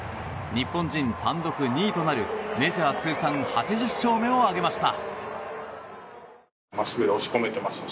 日本人単独２位となるメジャー通算８０勝目を挙げました。